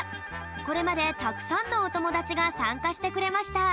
これまでたくさんのおともだちがさんかしてくれました。